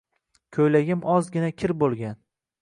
Koʻylagim ozgina kir boʻlgan.